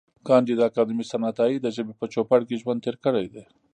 کانديد اکاډميسن عطایي د ژبې په چوپړ کې ژوند تېر کړی دی.